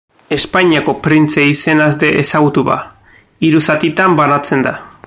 Espainiako printze izenaz ere ezagutua, hiru zatitan banatzen da.